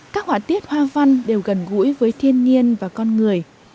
các họa tiết hoa văn đều gần gũi với thiên nhiên và con người